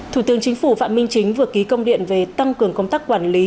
thủ tướng chính phủ phạm minh chính vừa ký công điện về tăng cường công tác quản lý